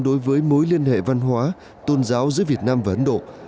đối với mối liên hệ văn hóa tôn giáo giữa việt nam và ấn độ